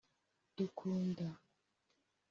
dukunda